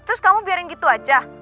terus kamu biarin gitu aja